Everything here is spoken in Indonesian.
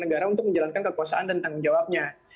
negara untuk menjalankan kekuasaan dan tanggung jawabnya